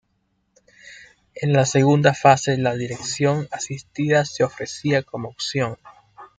En la segunda fase la dirección asistida se ofrecía como opción.